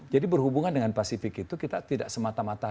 jadi berhubungan dengan pasifik itu kita tidak semata mata